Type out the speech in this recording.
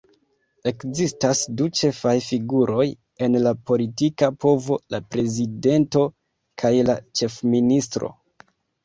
Ekzistas du ĉefaj figuroj en la politika povo: la prezidento kaj la ĉefministro.